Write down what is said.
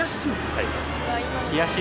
はい。